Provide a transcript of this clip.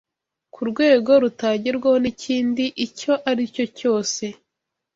ku rwego rutagerwaho n’ikindi icyo ari cyo cyose.